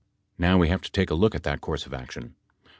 Now we have to take a look at that course of action.